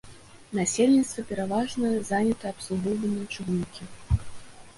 Насельніцтва пераважна занята абслугоўваннем чыгункі.